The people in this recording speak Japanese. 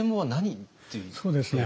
そうですね